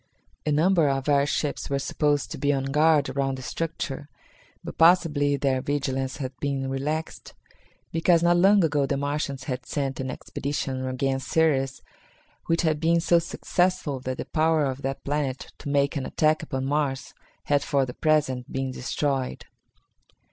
A number of air ships were supposed to be on guard around the structure, but possibly their vigilance had been relaxed, because not long ago the Martians had sent an expedition against Ceres which had been so successful that the power of that planet to make an attack upon Mars had for the present been destroyed.